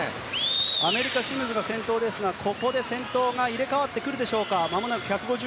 アメリカシムズが先頭ですがここで先頭が入れ替わるか。